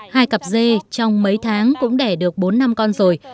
hai cặp dê trong mấy tháng cũng đẻ được bốn năm con rồi